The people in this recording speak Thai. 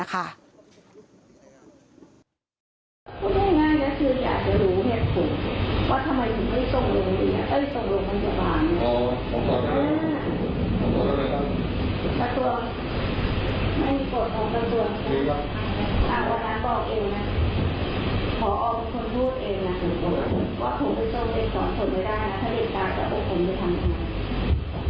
อเจมส์ตามวันนั้นบอกเองนะขออาวุธคุณพูดเองนะว่าส่งไปส่งเด็กก่อนส่งไม่ได้นะถ้าเด็กก่อนส่งเด็กก่อนส่งเด็กก่อนไม่ได้